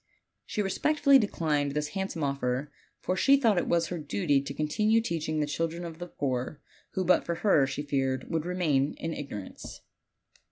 She re spectfully declined this handsome offer, for she thought it was her duty to continue teaching the children of the poor, who but for her, she feared, would remain in igno rance.